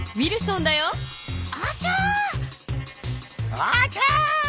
あちゃ。